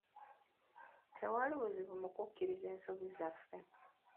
Tewali buzibu mu kukkiriza ensobi zaffe.